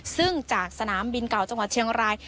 ซึ่งจากสนามบินเก่าจังหวัดเชียงราย